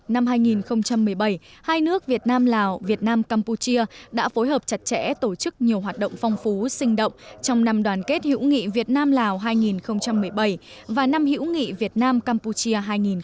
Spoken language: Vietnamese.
năm hai nghìn một mươi bảy hai nước việt nam lào việt nam campuchia đã phối hợp chặt chẽ tổ chức nhiều hoạt động phong phú sinh động trong năm đoàn kết hữu nghị việt nam lào hai nghìn một mươi bảy và năm hữu nghị việt nam campuchia hai nghìn một mươi tám